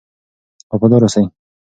وفادار اوسئ.